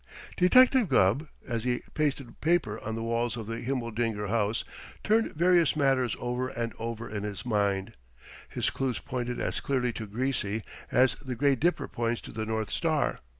Detective Gubb, as he pasted paper on the walls of the Himmeldinger house, turned various matters over and over in his mind. His clues pointed as clearly to Greasy as the Great Dipper points to the North Star.